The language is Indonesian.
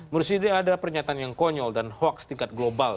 menurut sidik ada pernyataan yang konyol dan hoax tingkat global